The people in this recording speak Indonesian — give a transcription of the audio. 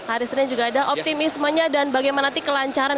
hari senin juga ada optimismenya dan bagaimana nanti kelancaran